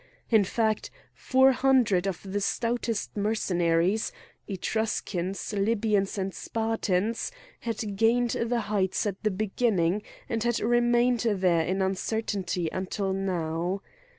In fact four hundred of the stoutest Mercenaries, Etruscans, Libyans, and Spartans had gained the heights at the beginning, and had remained there in uncertainty until now.